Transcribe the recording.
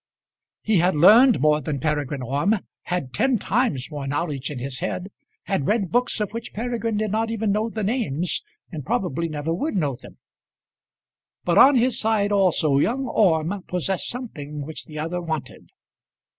He had learned more than Peregrine Orme, had ten times more knowledge in his head, had read books of which Peregrine did not even know the names and probably never would know them; but on his side also young Orme possessed something which the other wanted.